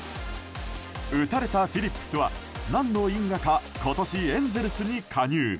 打たれたフィリップスは何の因果か今年、エンゼルスに加入。